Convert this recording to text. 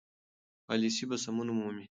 پالیسي به سمون ومومي.